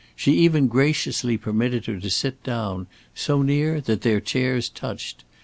She even graciously permitted her to sit down, so near that their chairs touched.